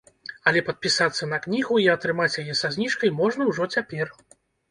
Але падпісацца на кнігу і атрымаць яе са зніжкай можна ўжо цяпер.